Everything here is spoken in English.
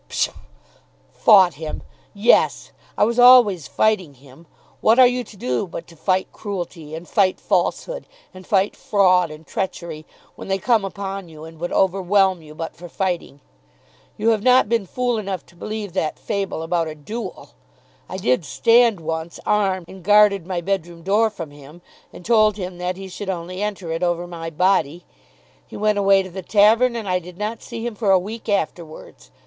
"Psha; fought him! Yes; I was always fighting him. What are you to do but to fight cruelty, and fight falsehood, and fight fraud and treachery, when they come upon you and would overwhelm you but for fighting? You have not been fool enough to believe that fable about a duel? I did stand once, armed, and guarded my bedroom door from him, and told him that he should only enter it over my body. He went away to the tavern and I did not see him for a week afterwards.